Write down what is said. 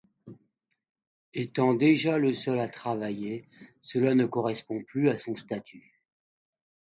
Étant déjà le seul à travailler, cela ne correspond plus à son statut.